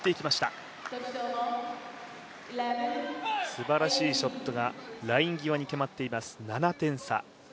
すばらしいショットがライン際に決まっています。